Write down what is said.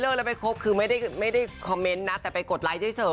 เลิกแล้วไปคบไม่ได้คอมเมนต์นะแต่ไปกดไลค์ได้เต๋อ